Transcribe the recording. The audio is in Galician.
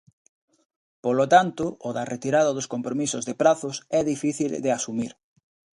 Polo tanto, o da retirada dos compromisos de prazos é difícil de asumir.